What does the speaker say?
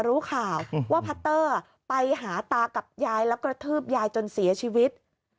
รู้ข่าวว่าพัตเตอร์ไปหาตากับยายแล้วกระทืบยายจนเสียชีวิต